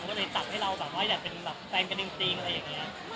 ก็เลยตัดให้เราอยากเป็นแฟนกันจริงอะไรอย่างนี้